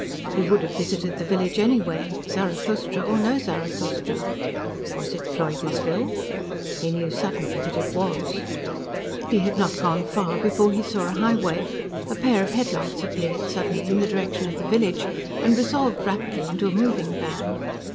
He would have visited the village anyway, Zarathustra or no Zarathustra. Was it Pfleugersville? He knew suddenly that it was. He had not gone far before he saw a highway. A pair of headlights appeared suddenly in the direction of the village and resolved rapidly into a moving van.